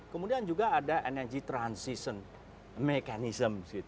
kemudian juga ada energy transition mechanism